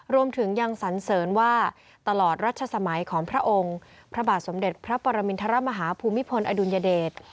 รวมถึงยังสันเสริญว่าตลอดรัชสมัยของพระองค์พระบาทสมเด็จพระปรมินทรมาฮาภูมิพลอดุลยเดช